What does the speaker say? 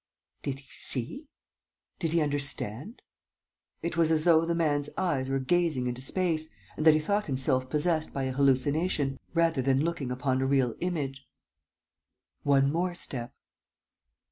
Did he see? Did he understand? It was as though the man's eyes were gazing into space and that he thought himself possessed by an hallucination, rather than looking upon a real image. One more step.